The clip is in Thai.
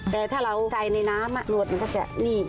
แต่ถ้าเราใส่ในน้ำหนวดมันก็จะนิ่ง